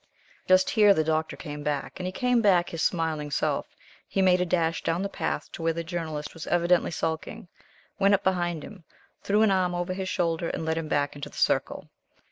Just here the Doctor came back, and he came back his smiling self. He made a dash down the path to where the Journalist was evidently sulking, went up behind him, threw an arm over his shoulder, and led him back into the circle.